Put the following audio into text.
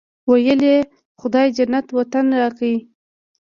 ویل یې خدای جنت وطن راکړی.